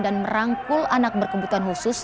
dan merangkul anak berkebutuhan khusus